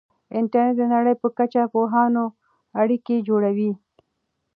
انټرنیټ د نړۍ په کچه د پوهانو اړیکې جوړوي.